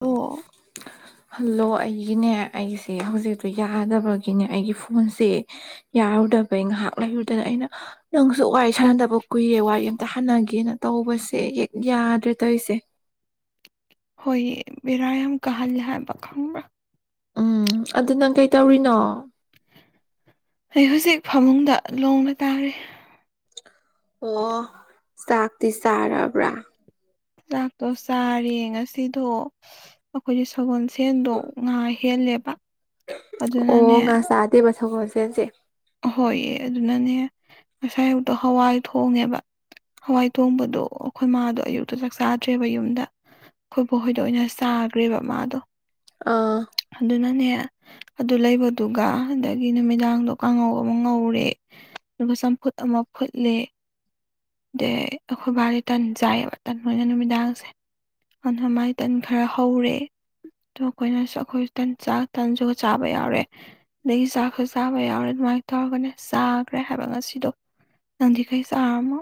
ꯑꯣ ꯍꯜꯂꯣ ꯑꯩꯒꯤꯅꯦ ꯑꯩꯁꯦ ꯍꯧꯖꯤꯛꯇꯣ ꯌꯥꯗꯕꯒꯤꯅꯦ ꯑꯩꯒꯤ ꯐꯣꯟꯁꯦ ꯌꯥꯔꯨꯗꯕꯩ ꯉꯥꯏꯍꯥꯛ ꯂꯩꯔꯨꯗꯅ ꯑꯩꯅ ꯅꯪꯁꯨ ꯋꯥꯔꯤ ꯁꯥꯟꯅꯗꯕ ꯀꯨꯏꯔꯦ ꯋꯥꯔꯤ ꯑꯝꯇ ꯍꯅꯒꯦꯅ ꯇꯧꯕꯁꯦ ꯍꯦꯛ ꯌꯥꯗ꯭ꯔꯦ ꯇꯧꯔꯤꯁꯦ ꯍꯣꯏ ꯕꯦꯔꯥ ꯌꯥꯝ ꯀꯥꯍꯜꯂꯦ ꯍꯥꯏꯕ ꯈꯪꯕ꯭ꯔꯥ ꯎꯝ ꯑꯗꯨ ꯅꯪ ꯀꯩꯇꯧꯔꯤꯅꯣ ꯑꯩ ꯍꯧꯖꯤꯛ ꯐꯃꯨꯡꯗ ꯂꯣꯡꯅ ꯇꯥꯔꯦ ꯑꯣ ꯆꯥꯛꯇꯤ ꯆꯥꯔꯕ꯭ꯔꯥ ꯂꯥꯛꯇꯣ ꯆꯥꯔꯦ ꯉꯁꯤꯗꯣ ꯑꯩꯈꯣꯏꯗꯤ ꯁꯒꯣꯜ ꯁꯦꯟꯗꯣ ꯉꯥꯏ ꯍꯦꯂꯦꯕ ꯑꯣ ꯉꯥ ꯆꯥꯗꯦꯕ ꯁꯒꯣꯜꯁꯦꯟꯁꯦ ꯑꯍꯣꯏꯌꯦ ꯑꯗꯨꯅꯅꯦ ꯉꯁꯥꯏꯌꯨꯛꯇ ꯍꯋꯥꯏ ꯊꯣꯡꯉꯦꯕ ꯍꯋꯥꯏ ꯇꯣꯡꯕꯗꯣ ꯑꯩꯈꯣꯏ ꯃꯥꯗꯣ ꯑꯌꯨꯛꯇ ꯆꯥꯛ ꯆꯥꯗ꯭ꯔꯦꯕ ꯌꯨꯝꯗ ꯑꯩꯈꯣꯏꯕꯨ ꯍꯣꯏꯗ ꯑꯣꯏꯅ ꯆꯥꯈ꯭ꯔꯦꯕ ꯃꯥꯗꯣ ꯑꯥ ꯑꯗꯨꯅꯅꯦ ꯑꯗꯨ ꯂꯩꯕꯗꯨꯒ ꯑꯗꯒꯤ ꯅꯨꯃꯤꯗꯥꯡꯗꯣ ꯀꯥꯡꯉꯧ ꯑꯃ ꯉꯧꯔꯦ ꯑꯗꯨꯒ ꯆꯝꯐꯨꯠ ꯑꯃ ꯐꯨꯠꯂꯦ ꯗ ꯑꯩꯈꯣꯏꯕꯥꯗꯤ ꯇꯟ ꯆꯥꯏꯌꯦꯕ ꯇꯟ ꯑꯣꯏꯅ ꯅꯨꯃꯤꯗꯥꯡꯁꯦ ꯑꯗꯨꯄ ꯃꯥꯏ ꯇꯟ ꯈꯔ ꯍꯧꯔꯦ ꯑꯣ ꯑꯩꯈꯣꯏꯅꯁꯨ ꯑꯩꯈꯣꯏ ꯆꯥꯛ ꯇꯟꯁꯨ ꯆꯥꯕ ꯌꯥꯎꯔꯦ ꯑꯗꯒꯤ ꯆꯥꯛꯁꯨ ꯆꯥꯕ ꯌꯥꯎꯔꯦ ꯑꯗꯨꯃꯥꯏꯅ ꯇꯧꯔꯒꯅꯦ ꯆꯥꯈ꯭ꯔꯦ ꯍꯥꯏꯕ ꯉꯁꯤꯗꯣ ꯅꯪꯗꯤ ꯀꯩ ꯆꯥꯔꯝꯃꯣ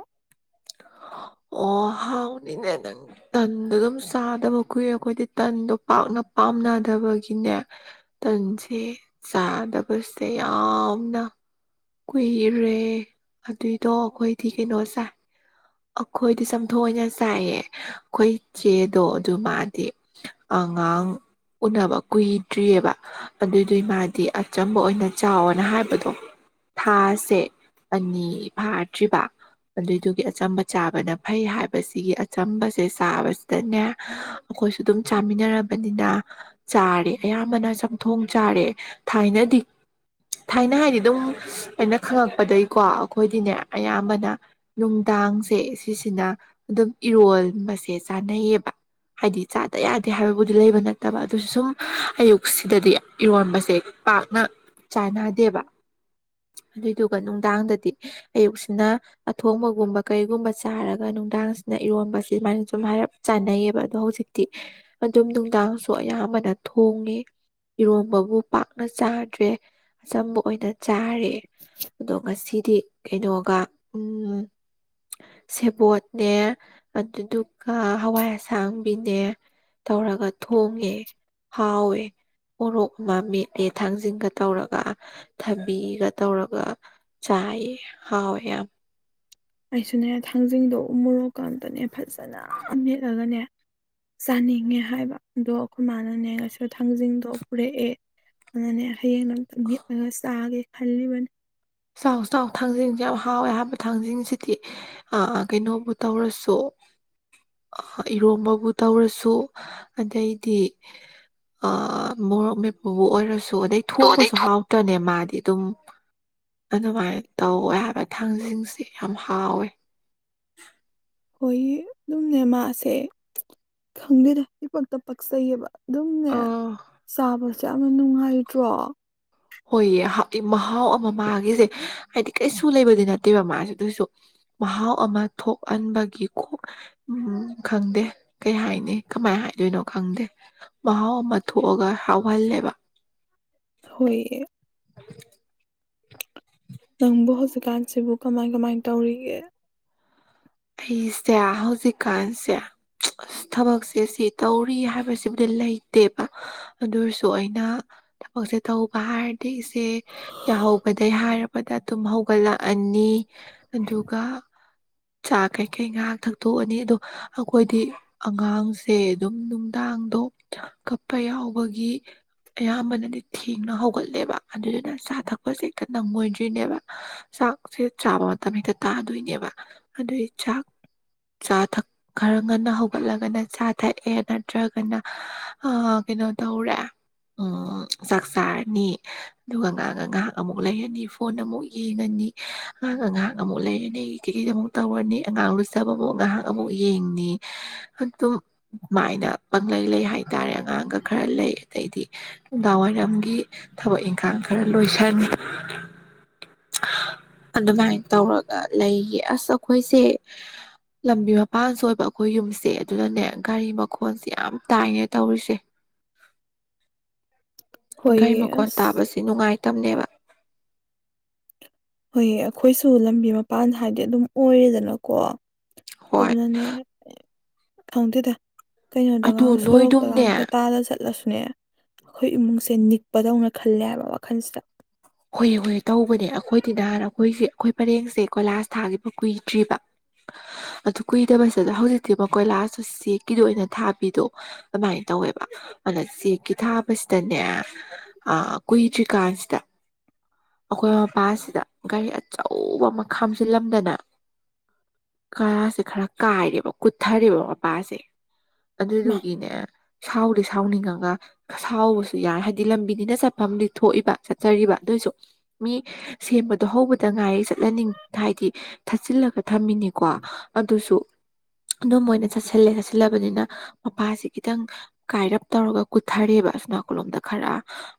ꯑꯣ ꯍꯥꯎꯅꯤꯅꯦ ꯅꯪ ꯇꯟꯗꯣ ꯑꯗꯨꯝ ꯆꯥꯗꯕ ꯀꯨꯏꯔꯦ ꯑꯩꯈꯣꯏꯗꯤ ꯇꯟꯗꯣ ꯄꯥꯛꯅ ꯄꯥꯝꯅꯗꯕꯒꯤꯅꯦ ꯇꯟꯁꯦ ꯆꯥꯗꯕꯁꯦ ꯌꯥꯝꯅ ꯀꯨꯏꯔꯦ ꯑꯗꯨꯏꯗꯣ ꯑꯩꯈꯣꯏꯗꯤ ꯀꯩꯅꯣꯁꯦ ꯑꯩꯈꯣꯏꯗꯤ ꯆꯝꯊꯣꯏꯅ ꯆꯥꯏꯌꯦ ꯑꯩꯈꯣꯏ ꯆꯦꯗꯣ ꯑꯗꯨ ꯃꯥꯗꯤ ꯑꯉꯥꯡ ꯎꯅꯕ ꯀꯨꯏꯗ꯭ꯔꯤꯑꯕ ꯑꯗꯨꯏꯗꯨꯏ ꯃꯥꯗꯤ ꯑꯆꯝꯕ ꯑꯣꯏꯅ ꯆꯥꯎꯋꯣꯅ ꯍꯥꯏꯕꯗꯣ ꯊꯥꯁꯦ ꯑꯅꯤ ꯐꯥꯗ꯭ꯔꯤꯕ ꯑꯗꯨꯏꯗꯨꯒꯤ ꯑꯆꯝꯕ ꯆꯥꯕꯅ ꯐꯩ ꯍꯥꯏꯕꯁꯤꯒꯤ ꯑꯆꯝꯕꯁꯦ ꯆꯕꯁꯤꯗꯅꯦ ꯑꯩꯈꯣꯏꯁꯨ ꯑꯗꯨꯝ ꯆꯥꯃꯤꯟꯅꯔꯕꯅꯤꯅ ꯆꯥꯔꯦ ꯑꯌꯥꯝꯕꯅ ꯆꯝꯊꯣꯡ ꯆꯥꯔꯦ ꯊꯥꯏꯅꯗꯤ ꯊꯥꯏꯅ ꯍꯥꯏꯗꯤ ꯑꯗꯨꯝ ꯑꯩꯅ ꯈꯪꯉꯛꯄꯗꯒꯤꯀꯣ ꯑꯩꯈꯣꯏꯗꯤꯅꯦ ꯑꯌꯥꯝꯕꯅ ꯌꯨꯝ ꯇꯥꯡꯁꯦ ꯁꯤꯁꯤꯅ ꯑꯗꯨꯝ ꯏꯔꯣꯟꯕꯁꯦ ꯆꯥꯅꯩꯌꯦꯕ ꯍꯥꯏꯗꯤ ꯆꯥꯗ ꯌꯥꯗꯦ ꯍꯥꯏꯕꯕꯨꯗꯤ ꯂꯩꯕ ꯅꯠꯇꯕ ꯑꯗꯨꯁꯨ ꯁꯨꯝ ꯑꯌꯨꯛ ꯁꯤꯗꯗꯤ ꯏꯔꯣꯟꯕꯁꯦ ꯄꯥꯛꯅ ꯆꯥꯟꯅꯗꯦꯕ ꯑꯗꯨꯏꯗꯨꯒ ꯅꯨꯡꯗꯥꯡꯗꯗꯤ ꯑꯌꯨꯛꯁꯤꯅ ꯑꯊꯣꯡꯕꯒꯨꯝꯕ ꯀꯩꯒꯨꯝꯕ ꯆꯥꯔꯒ ꯅꯨꯡꯗꯥꯡꯁꯤꯅ ꯏꯔꯣꯟꯕꯁ ꯑꯗꯨꯨꯃꯥꯏꯅ ꯁꯨꯝ ꯍꯥꯏꯔꯞ ꯆꯥꯟꯅꯩꯌꯦꯕ ꯑꯗꯣ ꯍꯧꯖꯤꯛꯇꯤ ꯑꯗꯨꯝ ꯅꯨꯡꯗꯥꯡꯁꯨ ꯑꯌꯥꯝꯕꯅ ꯊꯣꯡꯉꯦ ꯏꯔꯣꯝꯕꯕꯨ ꯄꯥꯛꯅ ꯆꯥꯗ꯭ꯔꯦ ꯑꯆꯝꯕ ꯑꯣꯏꯅ ꯆꯥꯔꯦ ꯑꯗꯨꯒ ꯁꯤꯗꯤ ꯀꯩꯅꯣꯒ ꯁꯦꯕꯣꯠꯅꯦ ꯑꯗꯨꯗꯨꯒ ꯍꯋꯥꯏ ꯑꯁꯥꯡꯕꯤꯅꯦ ꯇꯧꯔꯒ ꯊꯣꯡꯉꯦ ꯍꯥꯎꯋꯦ ꯄꯣꯔꯣꯛ ꯑꯃ ꯃꯦꯠꯂꯦ ꯊꯥꯡꯖꯤꯟꯒ ꯇꯧꯔꯒ ꯊꯕꯤꯒ ꯇꯧꯔꯒ ꯆꯥꯏꯌꯦ ꯍꯥꯎꯋꯦ ꯌꯥꯝꯅ ꯑꯩꯁꯨꯅꯦ ꯊꯥꯡꯖꯤꯡꯗꯣ ꯃꯣꯔꯣꯛꯀꯇꯅꯦ ꯐꯖꯅ ꯃꯦꯠꯂꯒꯅꯦ ꯆꯥꯅꯤꯡꯉꯦ ꯍꯥꯏꯕ ꯑꯗꯣ ꯑꯩꯈꯣꯏ ꯃꯥꯅꯅꯦ ꯉꯁ ꯊꯥꯡꯖꯤꯡꯗꯣ ꯄꯨꯔꯛꯑꯦ ꯑꯗꯨꯅꯦ ꯍꯌꯦꯡ ꯑꯃꯝꯇ ꯃꯦꯠꯂꯒ ꯆꯥꯒꯦ ꯈꯜꯂꯤꯕꯅꯤ ꯆꯥꯎ ꯆꯥꯎ ꯊꯥꯡꯖꯤꯡꯁꯨ ꯌꯥꯝ ꯍꯥꯎꯋꯦ ꯍꯥꯏꯍꯥꯟꯕ ꯊꯥꯡꯖꯤꯡꯁꯤꯗꯤ ꯑ ꯑ ꯀꯩꯅꯣꯕꯨ ꯇꯧꯔꯁꯨ ꯏꯔꯣꯝꯕꯕꯨ ꯇꯧꯔꯁꯨ ꯑꯗꯩꯗꯤ ꯑ ꯃꯣꯔꯣꯛ ꯃꯦꯄꯨꯕꯨ ꯑꯣꯏꯔꯁꯨ ꯑꯗꯩ ꯊꯣꯡꯕꯁꯨ ꯍꯥꯎꯇꯅꯦ ꯃꯥꯗꯤ ꯑꯗꯨꯝ ꯑꯗꯨꯃꯥꯏꯅ ꯇꯧꯋꯦ ꯍꯥꯏꯕ ꯊꯥꯡꯖꯤꯡꯁꯤ ꯌꯥꯝ ꯍꯥꯎꯋꯦ ꯍꯣꯏ ꯑꯗꯨꯝ ꯅ ꯃꯥꯥꯁꯦ ꯈꯪꯗꯗ ꯏ ꯄꯛꯇ ꯄꯛꯆꯩꯌꯦꯕ ꯑꯗꯨꯝꯅꯦ ꯑ ꯆꯥꯕꯁ ꯌꯥꯝꯅ ꯅꯨꯡꯉꯥꯏꯇ꯭ꯔꯣ ꯍꯣꯏꯌꯦ ꯃꯍꯥꯎ ꯑꯃ ꯃꯥꯒꯤꯁꯦ ꯍꯥꯏꯗꯤ ꯀꯩꯁꯨ ꯂꯩꯕꯗꯤ ꯅꯠꯇꯦꯕ ꯃꯥꯁꯦ ꯑꯗꯨꯏꯁꯨ ꯃꯍꯥꯎ ꯑꯃ ꯊꯣꯛꯍꯟꯕꯒꯤ ꯎꯝ ꯈꯪꯗꯦ ꯀꯩ ꯍꯥꯏꯅꯤ ꯀꯃꯥꯏꯅ ꯍꯥꯏꯗꯣꯏꯅꯣ ꯈꯪꯗꯦ ꯃꯍꯥꯎ ꯑꯃ ꯊꯣꯛꯑꯒ ꯍꯥꯎꯍꯜꯂꯦꯕ ꯍꯣꯏꯌꯦ ꯑꯗꯨ ꯅꯪꯕꯨ ꯍꯧꯖꯤꯛꯀꯥꯟꯁꯤꯕꯨ ꯀꯃꯥꯏ ꯀꯃꯥꯏ ꯇꯧꯔꯤꯒꯦ ꯑꯩꯁꯦ ꯍꯧꯖꯤꯛꯀꯥꯟꯁꯦ ꯑ ꯊꯕꯛꯁꯦ ꯁꯤ ꯇꯧꯔꯤ ꯍꯥꯏꯕꯁꯤꯃꯗꯤ ꯂꯩꯇꯦꯕ ꯑꯗꯨꯔꯁꯨ ꯑꯩꯅ ꯊꯕꯛꯁꯦ ꯇꯧꯕ ꯍꯥꯏꯔꯗꯤ ꯏꯆꯦ ꯌꯥꯍꯧꯕ ꯑꯗꯩ ꯍꯥꯏꯔꯕꯗ ꯇꯨꯝ ꯍꯧꯒꯠꯂꯛꯑꯅꯤ ꯑꯗꯨꯒ ꯆꯥ ꯀꯩ ꯀꯩ ꯉꯥꯏꯍꯥꯛ ꯊꯛꯇꯣꯛꯑꯅꯤ ꯑꯗꯣ ꯑꯩꯈꯣꯏꯗꯤ ꯑꯉꯥꯡꯁꯦ ꯑꯗꯨꯝ ꯅꯨꯡꯗꯥꯡꯗꯣ ꯀꯞꯄ ꯌꯥꯎꯕꯒꯤ ꯑꯌꯥꯝꯕꯅꯗꯤ ꯊꯦꯡꯅ ꯍꯧꯒꯠꯂꯦꯕ ꯑꯗꯨꯗꯨꯅ ꯆꯥ ꯊꯛꯄꯁꯦꯈꯤꯇꯪ ꯑꯣꯏꯗ꯭ꯣꯏꯅꯦꯕ ꯆꯥꯛꯁꯦ ꯆꯥꯕ ꯃꯇꯝ ꯍꯦꯛꯇ ꯇꯥꯗꯣꯏꯅꯦꯕ ꯑꯗꯨꯏ ꯆꯥꯛ ꯆꯥ ꯊꯛ ꯈꯔ ꯉꯟꯅ ꯍꯧꯒꯠꯂꯒꯅ ꯆꯥ ꯊꯛꯑꯦ ꯅꯠꯇ꯭ꯔꯒꯅ ꯀꯩꯅꯣ ꯇꯧꯔꯦ ꯎꯝ ꯆꯥꯛ ꯆꯥꯔꯅꯤ ꯑꯗꯨꯒ ꯉꯥꯏꯍꯥꯛ ꯑꯃꯨꯛ ꯂꯩꯔꯅꯤ ꯐꯣꯟ ꯑꯃꯨꯛ ꯌꯦꯡꯉꯅꯤ ꯉꯥꯡꯒ ꯉꯥꯏꯍꯥꯛ ꯑꯃꯨꯛ ꯂꯩꯔꯅꯤ ꯀꯩꯗ ꯑꯃꯨꯛ ꯇꯧꯔꯅꯤ ꯑꯉꯥꯡ ꯂꯨꯆꯕ ꯑꯃꯨꯛ ꯉꯥꯏꯍꯥꯛ ꯑꯃꯨꯛ ꯌꯦꯡꯅꯤ ꯑꯗꯨꯝ ꯃꯥꯏꯅ ꯄꯪꯪꯂꯩ ꯂꯩ ꯍꯥꯏꯇꯥꯔꯦ ꯑꯉꯥꯡꯒ ꯈꯔ ꯂꯩ ꯑꯗꯩꯗꯤ ꯅꯨꯡꯗꯥꯡ ꯋꯥꯏꯔꯝꯒꯤ ꯊꯕꯛ ꯏꯪꯈꯥꯡ ꯈꯔ ꯂꯣꯏꯁꯤꯟ ꯑꯗꯨꯃꯥꯏꯅ ꯇꯧꯔꯒ ꯂꯩꯒ ꯑꯁ ꯑꯩꯈꯣꯏꯁꯦ ꯂꯝꯕꯤ ꯃꯄꯥꯟꯁꯨ ꯑꯣꯏꯕ ꯑꯩꯈꯣꯏ ꯌꯨꯝꯁꯦ ꯑꯗꯨꯅꯅꯦ ꯒꯥꯔꯤ ꯃꯈꯣꯟꯜꯁꯦ ꯌꯥꯝ ꯇꯥꯏꯅꯦ ꯇꯧꯔꯤꯁꯦ ꯍꯣꯏꯌꯦ ꯒꯔꯤꯃꯈꯣꯟ ꯑꯁ ꯇꯥꯕꯁꯤ ꯅꯨꯡꯉꯥꯏꯇꯕꯅꯦꯕ ꯍꯣꯏ ꯑꯩꯈꯣꯏꯁꯨ ꯂꯝꯕꯤ ꯃꯄꯥꯟ ꯍꯥꯏꯗꯤ ꯑꯗꯨꯝ ꯑꯣꯏꯔꯦꯗꯅꯀꯣ ꯍꯣꯏ ꯑꯗꯨꯅꯅꯦ ꯈꯪꯗꯦꯗ ꯀꯩꯅꯣꯗꯒ ꯑꯗꯣ ꯁꯣꯔꯣꯛꯇꯒꯥꯡ ꯅꯣꯏꯗꯨꯝꯅꯦ ꯇꯥꯇꯥꯗ ꯆꯠꯂ ꯆꯠꯂꯁꯨꯅꯦ ꯑꯩꯈꯣꯏ ꯏꯃꯨꯡꯁꯦ ꯅꯤꯛꯄꯗꯧꯅ ꯈꯜꯂꯦ ꯍꯥꯏꯕ ꯋꯥꯈꯜꯁꯤꯗ ꯍꯨꯏꯌꯦ ꯍꯨꯏ ꯇꯧꯕꯅꯦ ꯑꯩꯈꯣꯏꯗꯤ ꯅꯍꯥꯟ ꯑꯩꯈꯣꯏꯁꯦ ꯑꯩꯈꯣꯏ ꯄꯔꯦꯡꯁꯦ ꯀꯣꯏꯂꯥꯁ ꯊꯥꯈꯤꯕ ꯀꯨꯏꯗ꯭ꯔꯤꯕ [inaudible] ꯑꯗꯨ ꯀꯨꯏꯗꯕꯁꯤꯗ ꯍꯧꯖꯤꯛꯇꯤ ꯃꯈꯣꯏꯂꯥꯁꯁꯨ ꯆꯦꯛꯀꯤꯗꯣ ꯑꯣꯏꯅ ꯊꯥꯕꯤꯗꯣ ꯑꯗꯨꯃꯥꯏꯅ ꯇꯧꯋꯦꯕ ꯑꯗ ꯆꯦꯛꯀꯤ ꯊꯥꯕꯁꯤꯗꯅꯦ ꯑ ꯀꯨꯏꯗꯔ꯭ꯤ ꯀꯟꯁꯤꯗ ꯑꯩꯈꯣꯏ ꯃꯄꯥꯁꯤꯗ ꯒꯥꯔꯤ ꯑꯆꯧꯕ ꯑꯃ ꯈꯥꯝꯖꯤꯜꯂꯝꯗꯅ ꯀꯥꯁꯦ ꯈꯔ ꯀꯥꯏꯔꯦꯕ ꯀꯨꯊꯔꯦꯕ ꯃꯄꯥꯁꯦ ꯃꯥ ꯑꯗꯨꯗꯨꯒꯤꯅꯦ ꯁꯥꯎꯗꯤ ꯁꯥꯎꯅꯤꯡꯉꯒ ꯁꯥꯎꯕꯁꯨ ꯌꯥꯏ ꯍꯥꯏꯗꯤ ꯂꯝꯕꯤꯅꯤꯅ ꯆꯠꯐꯝ ꯊꯣꯛꯏꯕ ꯆꯠꯆꯔꯤꯕ ꯑꯗꯨꯁꯨ ꯃꯤ ꯁꯦꯝꯕꯗꯣ ꯍꯧꯕꯗ ꯉꯥꯏꯩ ꯆꯠꯍꯟꯅꯤꯡ ꯍꯥꯏꯗꯤ ꯊꯥꯠꯆꯤꯜꯂꯒ ꯊꯝꯃꯤꯅꯤꯀꯣ ꯑꯗꯨꯁꯨ ꯑꯗꯨꯝ ꯑꯣꯏꯅ ꯆꯠꯁꯤꯜꯂꯦ ꯆꯠꯁꯤꯜꯂꯕꯅꯤꯅ ꯃꯄꯥꯁꯤ ꯈꯤꯇꯪ ꯀꯥꯏꯔꯞ ꯇꯧꯔꯒ ꯀꯨꯊꯔꯦꯕ ꯑꯁꯅꯥꯀꯂꯣꯝꯗ ꯈꯔ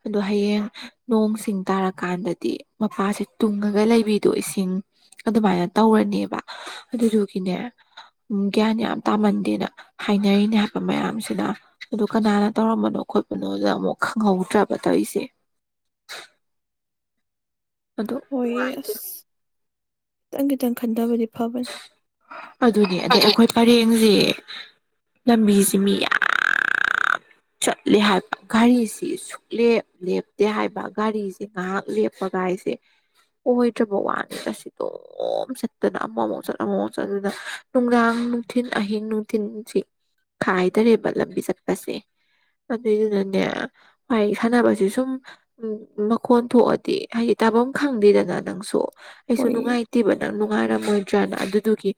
ꯑꯗꯣ ꯍꯌꯦꯡ ꯅꯣꯡꯁꯤꯡ ꯇꯥꯔꯀꯥꯟꯗꯗꯤ ꯃꯄꯥꯁꯤꯦ ꯇꯨꯡꯉꯒ ꯂꯩꯕꯤꯗꯣ ꯏꯁꯤꯡ ꯑꯗꯨꯃꯥꯏꯅ ꯇꯧꯔꯅꯦꯕ ꯑꯗꯨꯗꯨꯒꯤꯅꯦ ꯎ ꯒ꯭ꯌꯥꯟ ꯌꯥꯝ ꯇꯥꯃꯟꯗꯦꯅ ꯍꯥꯏꯅꯔꯤꯅꯦ ꯍꯥꯏꯕ ꯃꯌꯥꯝꯁꯤꯗ ꯑꯗꯨ ꯀꯅꯥꯅ ꯇꯧꯔꯝꯕꯅꯣ ꯈꯣꯠꯄꯅꯣꯗ ꯑꯃꯨꯛ ꯈꯪꯍꯧꯗ꯭ꯔꯕ ꯇꯧꯔꯤꯁꯦ ꯑꯗꯣ ꯍꯣꯏ ꯅꯨꯡꯉꯥꯏꯇꯦ ꯑꯁ ꯈꯤꯇꯪ ꯈꯤꯇꯪ ꯈꯟꯊꯕꯗꯤ ꯐꯕꯅꯦ ꯑꯗꯨꯅꯦ ꯑꯗꯩ ꯑꯩꯈꯣꯏ ꯄꯔꯦꯡꯁꯦ ꯂꯝꯕꯤꯁꯤꯦ ꯃꯤ ꯌꯥꯝ ꯆꯠꯂꯦ ꯍꯥꯏꯕ ꯘꯔꯤꯁꯤꯁꯨ ꯂꯦꯞꯇꯦ ꯍꯥꯏꯕ ꯒꯥꯔꯤꯁꯦ ꯉꯥꯏꯍꯥꯛ ꯂꯦꯞꯄꯒ ꯍꯥꯏꯁꯦ ꯑꯣꯏ ꯑꯣꯏꯗ꯭ꯔꯕ ꯋꯥꯅꯤ ꯁꯤꯣ ꯅ ꯑꯃꯃꯨ ꯆꯠꯂ ꯑꯃꯃꯨꯛ ꯆꯠꯅ ꯅꯨꯡꯗꯥꯡ ꯅꯨꯡꯊꯤꯟ ꯑꯍꯤꯡ ꯅꯨꯡꯊꯤꯟꯁꯤ ꯈꯥꯏꯗꯔꯦꯕ ꯂꯝꯕꯤ ꯆꯠꯄꯁꯦ ꯑꯗꯨꯏꯗꯨꯅꯅꯦ ꯍꯥꯏꯥꯏ ꯁꯥꯟꯅꯕꯁꯦ ꯁꯨꯝ ꯎꯝ ꯃꯈꯣꯟ ꯊꯣꯛꯑꯗꯤ ꯍꯥꯏꯗꯤ ꯇꯥꯐꯝ ꯈꯪꯗꯦꯗꯅ ꯅꯪꯁꯨ ꯑꯩꯁꯨ ꯍꯣꯏꯌꯦ ꯅꯨꯡꯉꯥꯏꯇꯦꯕ ꯅꯪ ꯅꯨꯡꯉꯥꯏꯔꯝꯃꯣꯏꯗ꯭ꯔꯅ ꯑꯗꯨꯗꯨꯒꯤ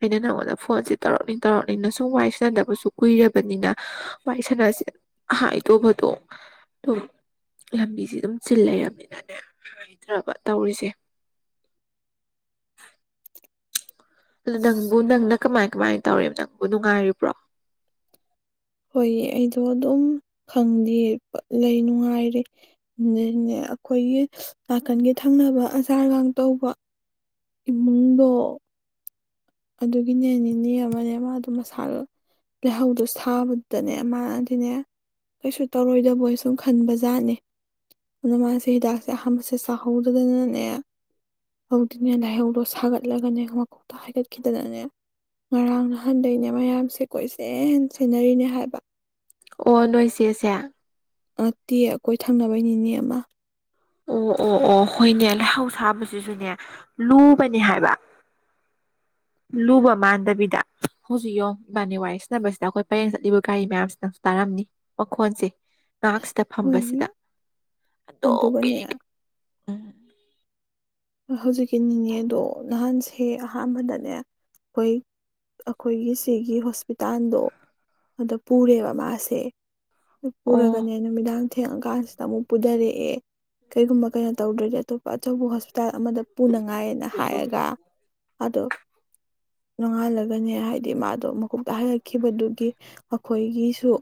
ꯑꯩꯅ ꯅꯪꯉꯣꯟꯗ ꯐꯣꯟꯁꯦ ꯇꯧꯔꯛꯅꯤꯡ ꯇꯧꯔꯛꯅꯤꯡꯅ ꯁꯨꯝ ꯋꯥꯏ ꯁꯤꯅꯗꯕꯁꯨ ꯀꯨꯏꯔꯕꯅꯤꯅ ꯄꯥꯏꯁꯅꯥꯁꯦ ꯍ ꯏ ꯇꯣ ꯐꯠꯇ ꯂꯝꯕꯤꯁꯦ ꯑꯗꯨꯝ ꯆꯤꯜ ꯂꯩꯔꯕꯅꯤꯅꯅꯦ ꯍꯥꯏꯗ꯭ꯔꯕ ꯇꯧꯔꯤꯁꯦ ꯑꯗꯨ ꯅꯪꯕꯨ ꯅꯪꯅ ꯀꯃꯥꯏ ꯀꯃꯥꯏꯅ ꯇꯧꯔꯤ ꯅꯪꯕꯨ ꯅꯨꯡꯉꯥꯏꯔꯤꯕ꯭ꯔꯣ ꯍꯣꯏ ꯑꯩꯗꯣ ꯑꯗꯨꯝ ꯈꯪꯗꯦ ꯂꯩ ꯅꯨꯡꯉꯥꯏꯔꯦ ꯅꯦ ꯑꯩꯈꯣꯏꯒꯤ ꯅꯥꯀꯟꯒꯤ ꯊꯪꯅꯕ ꯑꯆꯥꯥꯔꯒ ꯇꯧꯕ ꯏꯃꯨꯡꯗꯣ ꯑꯗꯨꯒꯤꯅꯦ ꯅꯦ ꯑꯃꯅꯦ ꯃꯥꯗꯣ ꯃꯁꯥꯗꯣ ꯂꯩꯍꯧꯗꯣ ꯁꯥꯕꯗꯨꯗꯅꯦ ꯃꯥꯅꯗꯤꯅꯦ ꯀꯩꯁꯨ ꯇꯧꯔꯣꯏꯗꯕꯣꯏ ꯁꯨꯝ ꯈꯟꯕꯖꯥꯠꯅꯦ ꯑꯗꯨꯅ ꯃꯥꯁꯦ ꯍꯤꯗꯥꯛꯁꯦ ꯑꯍꯥꯟꯕꯁꯦ ꯆꯥꯍꯧꯗꯗꯅꯅꯦ ꯍꯧꯗꯨꯅꯦ ꯂꯥꯏꯍꯧꯗꯣ ꯁꯥꯒꯠꯂꯒꯅꯦ ꯃꯈꯣꯛꯇ ꯍꯥꯏꯒꯠꯄꯤ ꯈꯤꯇꯅꯅꯦ ꯉꯔꯥꯡ ꯅꯍꯥꯟꯗꯒꯤꯩꯅꯦ ꯃꯌꯥꯝꯁꯦ ꯀꯣꯏꯁꯦꯟ ꯁꯦꯟꯅꯔꯤꯅꯦ ꯍꯥꯏꯕ ꯑꯣ ꯅꯣꯏ ꯆꯦꯁꯦ ꯅꯠꯇꯦ ꯑꯩꯈꯣꯏ ꯊꯪꯅꯕꯩ ꯅꯤꯅꯦ ꯑꯃ ꯑꯣ ꯑꯣ ꯑꯣ ꯍꯣꯏꯅꯦ ꯂꯩꯍꯧ ꯁꯥꯕꯁꯤꯁꯨꯅꯦ ꯂꯨꯕꯅꯦ ꯍꯥꯏꯕ ꯂꯨꯕ ꯃꯥꯟꯗꯕꯤꯗ ꯍꯧꯖꯤꯛ ꯌꯦ ꯏꯕꯥꯅꯤ ꯋꯥꯏ ꯁꯤꯟꯅꯕꯁꯤꯗ ꯑꯩꯈꯣꯏ ꯄꯔꯡ ꯆꯠꯂꯤꯕ ꯒꯥꯔꯤ ꯃꯌꯥꯝꯁꯤꯅꯪꯁꯨ ꯇꯥꯔꯝꯅꯤ ꯃꯈꯣꯟꯁꯦ ꯅꯛꯁꯤꯗ ꯍꯣꯏ ꯐꯝꯕꯁꯤꯗ ꯑꯣꯝ ꯀ ꯑꯗꯨꯒꯅꯦ ꯎꯝ ꯍꯧꯖꯤꯛꯀꯤ ꯅꯤꯡꯉ ꯑꯗꯣ ꯅꯍꯥꯟꯁꯦ ꯑꯍꯥꯟꯕꯗꯅꯦ ꯑꯩꯈꯣꯏ ꯑꯩꯈꯣꯏꯒꯤ ꯁꯤꯒꯤ ꯍꯣꯁꯄꯤꯇꯥꯜꯗꯣ ꯑꯗꯨꯗ ꯄꯨꯔꯦꯕ ꯃꯥꯁꯦ ꯑꯣ ꯄꯨꯔꯒꯅꯦ ꯅꯨꯃꯤꯗꯥꯡ ꯊꯦꯡꯑꯀꯁꯤ ꯥ ꯑꯃꯨꯛ ꯄꯨꯊꯔꯛꯑꯦ ꯀꯔꯤꯒꯨꯝꯕ ꯀꯩꯅꯣ ꯇꯧꯗ꯭ꯔꯗꯤ ꯑꯇꯣꯞꯄ ꯑꯆꯧꯕ ꯍꯣꯁꯄꯤꯇꯥꯜ ꯑꯃꯗ ꯄꯨꯅꯉꯥꯏꯅ ꯍꯥꯏꯔꯒ ꯑꯗꯣ ꯅꯣꯡꯉꯥꯜꯂꯒꯅꯦ ꯍꯥꯏꯗꯤ ꯃꯥꯗꯣ ꯃꯀꯨꯞꯇ ꯍꯜꯂꯛꯈꯤꯕꯗꯨꯒꯤ ꯑꯩꯈꯣꯏꯒꯤꯁꯨ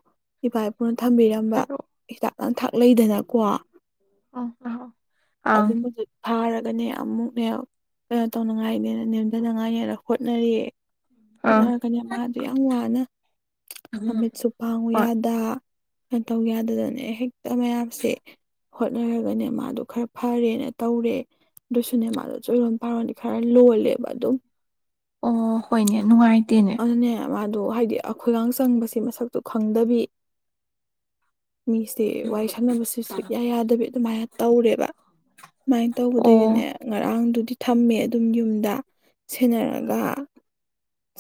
ꯏꯄꯥ ꯏꯄꯨꯅ ꯊꯝꯕꯤꯔꯝꯕ ꯍꯥꯏꯔꯛꯑꯣ ꯍꯤꯗꯥꯛ ꯂꯥꯡꯊꯛ ꯂꯩꯗꯅꯀꯣ ꯑꯣ ꯑ ꯑ ꯐꯥꯔ ꯒꯅꯦ ꯑꯃꯨꯛꯅꯦ ꯀꯩꯅꯣ ꯇꯧꯅꯉꯥꯏꯅꯦꯅ ꯅꯦꯝꯊꯅꯉꯥꯏꯅꯦꯔꯣ ꯍꯣꯠꯅꯔꯤꯌꯦ ꯍꯣꯠꯅꯔꯒꯅꯤ ꯃꯥꯗ ꯌꯥꯝ ꯋꯥꯅ ꯑꯪ ꯑꯃꯤꯠꯁꯨ ꯄꯥꯡꯎ ꯍꯣꯏ ꯌꯥꯗ ꯀꯩꯅ ꯇꯧ ꯌꯥꯗꯗꯅ ꯍꯦꯛꯇ ꯃꯌꯥꯝꯁꯦ ꯍꯣꯠꯅꯔꯒꯅꯦ ꯃꯥꯗꯣ ꯈꯔ ꯐꯔꯦꯅ ꯇꯧꯔꯦ ꯑꯗꯨꯗ ꯁꯤꯅꯦꯃꯥꯗꯣꯁꯨꯔꯣꯟꯝꯄꯥꯔꯣꯟꯗꯤ ꯈꯔ ꯂꯣꯜꯂꯦꯕ ꯑꯗꯨꯝ ꯑꯣ ꯍꯣꯏꯅꯦ ꯅꯨꯡꯉꯥꯏꯇꯦꯅꯦ ꯑꯗꯨꯅꯦ ꯃꯥꯗꯣ ꯍꯥꯏꯗꯤ ꯑꯩꯈꯣꯏꯒꯥꯡ ꯆꯪꯕꯁꯤ ꯃꯁꯛꯇꯨ ꯈꯪꯗꯕꯤ ꯃꯤꯁꯦ ꯋꯥꯔꯤ ꯁꯥꯟꯅꯕꯁꯤ ꯁꯨꯌꯥ ꯌꯥꯗꯕꯤ ꯑꯗꯨꯃꯥꯏꯅ ꯇꯧꯔꯦꯕ ꯁꯨꯃꯥꯏꯅ ꯇꯧꯕꯗꯩꯗꯤꯅꯦ ꯑꯣ ꯉꯔꯥꯡꯗꯨꯗꯤ ꯊꯝꯃꯦ ꯑꯗꯨꯝ ꯌꯨꯝꯗ ꯁꯦꯟꯅꯔꯒ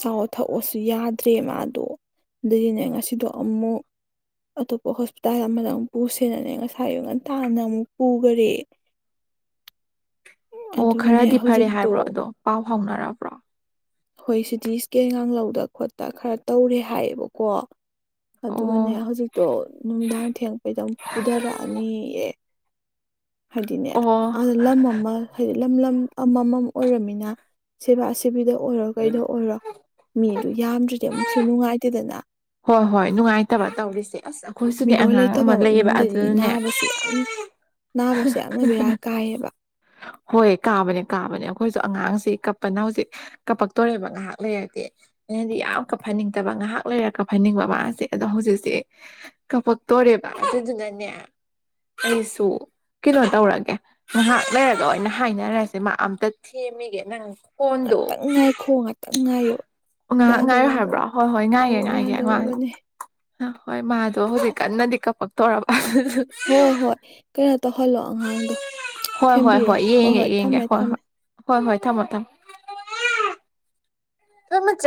ꯆꯕ ꯊꯛꯑꯁꯨ ꯌꯥꯗ꯭ꯔꯦ ꯃꯥꯗꯣ ꯑꯗꯨꯏꯗꯤꯅꯦ ꯉꯁꯤꯗꯣ ꯑꯃꯨꯛ ꯑꯇꯣꯞꯄ ꯍꯣꯁꯄꯤꯇꯥꯜ ꯑꯃꯗ ꯑꯃꯨꯛ ꯄꯨꯁꯦꯅꯅꯦ ꯉꯁꯥꯏ ꯉꯟꯇꯥꯅ ꯑꯃꯨꯛ ꯄꯨꯈꯔꯦ [unintelligible] ꯑꯣ ꯑꯗꯨꯒꯅꯦ ꯈꯔꯗꯤ ꯐꯔꯦ ꯍꯧꯖꯤꯛꯇꯣ ꯍꯥꯏꯕ꯭ꯔꯣ ꯑꯗꯣ ꯄꯥꯎ ꯍꯧꯥꯎꯅꯔꯕ꯭ꯔꯣ ꯍꯣꯏ ꯁꯤꯗꯤ ꯏꯁꯀꯦꯟꯒꯥꯡꯍꯧꯗ ꯈꯣꯠꯇ ꯈꯔ ꯇꯧꯔꯦ ꯍꯥꯏꯌꯦꯕꯀꯣ ꯑꯗꯨꯒꯅꯦ ꯑꯣ ꯍꯧꯖꯤꯛꯇꯣ ꯅꯨꯡꯗꯥꯡ ꯊꯦꯡꯛꯄꯩꯗꯨꯛ ꯄꯨꯊꯔꯛꯑꯅꯤꯑ ꯍꯥꯏꯗꯤꯅꯦ ꯑꯣ ꯂꯝ ꯑꯃ ꯍꯥꯏꯗꯤ ꯂꯝ ꯂꯝ ꯑꯃꯃꯝ ꯑꯣꯏꯔꯝꯃꯤꯅ ꯁꯦꯕꯥ ꯁꯦꯕꯤꯗ ꯑꯣꯏꯔꯣ ꯀꯩꯗ ꯑꯣꯏꯔꯣ ꯃꯤꯗꯨ ꯌꯥꯝꯗ꯭ꯔꯗꯤ ꯑꯃꯨꯛꯁꯨ ꯅꯨꯡꯉꯥꯏꯇꯦꯗꯅ ꯍꯣꯏ ꯍꯣꯏ ꯅꯨꯡꯉꯥꯏꯇꯕ ꯇꯧꯔꯤꯁꯦ ꯑꯁ ꯑꯩꯈꯣꯏꯁꯨꯗꯤ ꯃꯤꯔꯣꯜ ꯑꯉꯥꯡ ꯂꯩꯇꯕ ꯑꯃ ꯂꯩꯌꯦꯕ ꯏꯃꯨꯡꯗꯗꯤ ꯑꯗꯨꯅꯦ ꯅꯥꯕꯁꯦ ꯌꯥꯝ ꯅꯥꯕꯁꯦ ꯌꯥꯝꯅ ꯕꯤꯔꯥ ꯀꯥꯏꯌꯦꯕ ꯍꯣꯏ ꯀꯥꯕꯅꯦ ꯀꯥꯕꯅꯦ ꯑꯩꯈꯣꯏꯁꯨ ꯑꯉꯥꯡꯁꯤ ꯀꯞꯄꯅ ꯍꯧꯖꯤꯛ ꯀꯞꯄꯛꯇꯣꯔꯦꯕ ꯉꯥꯏꯍꯥꯛ ꯂꯩꯔꯗꯤ ꯑꯗꯤ ꯌꯥꯝ ꯀꯞꯍꯟꯅꯤꯡꯗꯕ ꯉꯥꯏꯍꯥꯛ ꯂꯩꯔꯒ ꯍꯥꯏꯅꯤꯡꯕ ꯃꯥꯁꯦ ꯑꯗꯣ ꯍꯧꯖꯤꯛꯁꯦ ꯀꯄꯛꯇꯣꯔꯦꯕ ꯑꯗꯨꯗꯨꯅꯅꯦ ꯑꯁꯨꯣ ꯀꯩꯅꯣ ꯇꯧꯔꯒꯦ ꯉꯥꯏꯍꯥꯛ ꯂꯩꯔꯒ ꯑꯣꯏꯅ ꯍꯥꯏꯅꯔꯁꯦ ꯃꯥ ꯑꯝꯇ ꯊꯦꯝꯃꯤꯒꯦ ꯅꯪ ꯐꯣꯟꯗꯣ ꯉꯥꯛꯇꯪ ꯉꯥꯏꯈꯣ ꯉꯥꯛꯇꯪ ꯉꯥꯏꯌꯣ ꯉꯥꯏꯍꯥꯛ ꯉꯥꯏꯌꯨ ꯌꯥꯗꯣꯔꯕꯅꯤ ꯍꯥꯏꯕ꯭ꯔꯣ ꯍꯣꯏ ꯑꯧ ꯌꯥꯗꯣꯔꯕꯅꯦ ꯑ ꯍꯣꯏ ꯃꯥꯗꯣ ꯍꯧꯖꯤꯛ ꯀꯟꯅꯗꯤ ꯀꯄꯛ ꯇꯧꯔꯕ ꯑꯗꯨ ꯍꯣꯏ ꯍꯣꯏ ꯀꯩꯅꯣ ꯇꯧꯍꯜꯂꯣ ꯑꯉꯥꯡꯗꯣ ꯍꯣꯏ ꯍꯣꯏ ꯊꯦꯝꯕꯤꯔꯣ ꯍꯣꯏ ꯌꯦꯡꯒꯦ ꯍꯣꯏ ꯌꯦꯡꯒꯦ ꯊꯝꯃꯦ ꯍꯣꯏ ꯊꯝꯃꯦ ꯍꯣꯏ ꯍꯣꯏ ꯍꯣꯏ ꯊꯝꯃꯣ ꯊꯝꯃꯣ ꯐꯝ